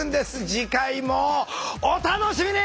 次回もお楽しみに！